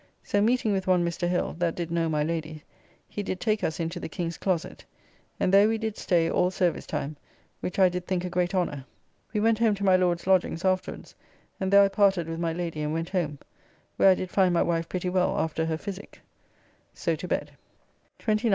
So meeting with one Mr. Hill, that did know my Lady, he did take us into the King's closet, and there we did stay all service time, which I did think a great honour. We went home to my Lord's lodgings afterwards, and there I parted with my Lady and went home, where I did find my wife pretty well after her physic. So to bed. 29th.